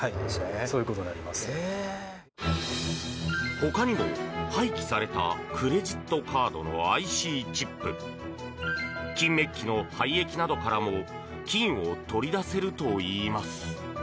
ほかにも、廃棄されたクレジットカードのＩＣチップ金めっきの廃液などからも金を取り出せるといいます。